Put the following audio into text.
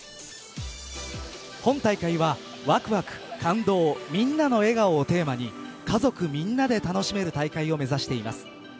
本大会はワクワク、感動みんなの笑顔をテーマに家族みんなで楽しめる大会を目指しています。